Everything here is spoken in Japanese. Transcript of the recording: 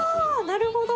なるほど！